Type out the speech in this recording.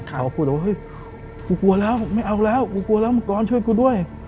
เขาก็พูดว่าเฮ้ยกูกลัวแล้วไม่เอาแล้วกูกลัวแล้วมังกรช่วยกูด้วย